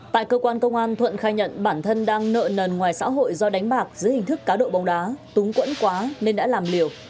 tại cơ quan công an thuận khai nhận bản thân đang nợ nần ngoài xã hội do đánh bạc dưới hình thức cá độ bóng đá túng quẫn quá nên đã làm liều